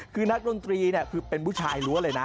คือนักดนตรีเนี่ยคือเป็นผู้ชายรั้วเลยนะ